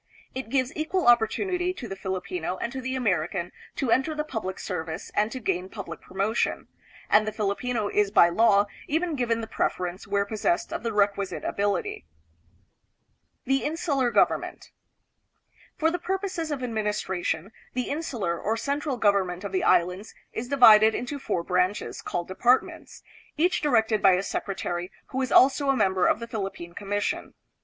It gives equal opportunity to the Filipino and to the American to enter the public service and to gain public promotion; and the Filipino is by law even given the preference where possessed of the requisite ability. The Palace, Manila. Headquarters of the Government. The Insular Government. For the purposes of admin istration, the insular, or central government of the Islands is divided into four branches, called departments, each directed by a secretary who is also a member of the Phil ippine Commission.